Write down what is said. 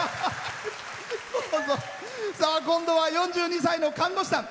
今度は４２歳の看護師さん。